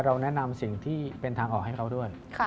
เราแนะนำสิ่งที่เป็นทางออกให้เขาด้วย